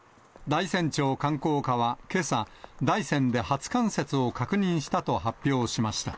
大山町観光課はけさ、大山で初冠雪をしたと発表しました。